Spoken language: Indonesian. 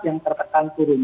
yang terpekan turun